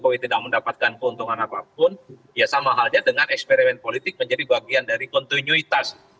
pak jokowi tidak mendapatkan keuntungan apapun ya sama halnya dengan eksperimen politik menjadi bagian dari kontinuitas